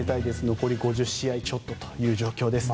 残り５０試合ちょっとという状況です。